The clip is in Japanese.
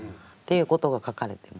いうことが書かれてます。